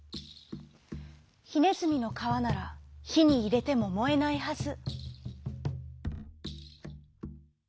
「ひねずみのかわならひにいれてももえないはず」。